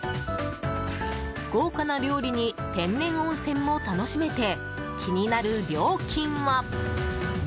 豪華な料理に天然温泉も楽しめて気になる料金は。